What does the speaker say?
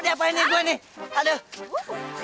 udah apa ini gue nih aduh